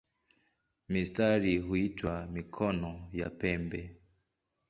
Mistari huitwa "mikono" ya pembe.